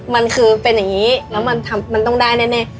มันคือเป็นอย่างนี้แล้วมันต้องได้แน่